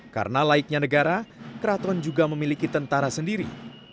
karena laiknya negara keraton juga memiliki tentara sendiri